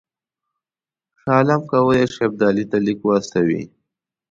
شاه عالم کولای شي ابدالي ته لیک واستوي.